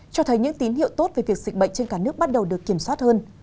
cho thấy những tín hiệu tốt về việc dịch bệnh trên cả nước bắt đầu được kiểm soát hơn